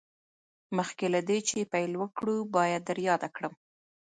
مخکې له دې چې پیل وکړو باید در یاده کړم